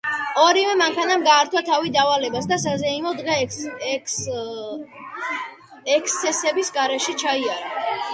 ორივე მანქანამ გაართვა თავი დავალებას და საზეიმო დღე ექსცესების გარეშე ჩაიარა.